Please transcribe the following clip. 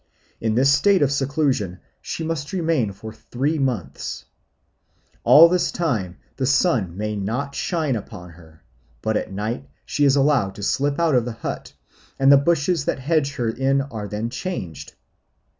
In this state of seclusion she must remain for three months. All this time the sun may not shine upon her, but at night she is allowed to slip out of the hut, and the bushes that hedge her in are then changed.